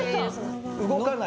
「動かない」で？